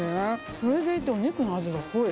それでいてお肉の味が濃い。